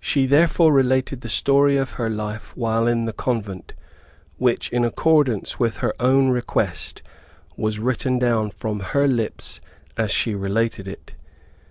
She therefore related the story of her life while in the convent, which, in accordance with her own request, was written down from her lips as she related it.